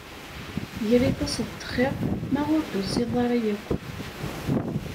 Gri taseḍ-d xir ma ur d-tusiḍ ara yakk.